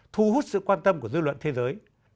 thu hút sự quan tâm của dư luận thế giới